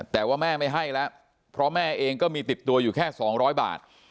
แต่ว่าแม่ไม่ให้แล้วเพราะแม่เองก็มีติดตัวอยู่แค่๒๐๐บาท